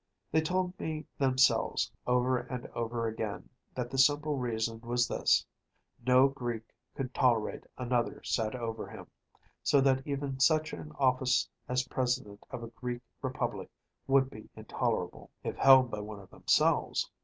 They told me themselves, over and over again, that the simple reason was this: no Greek could tolerate another set over him, so that even such an office as President of a Greek Republic would be intolerable, if held by one of themselves.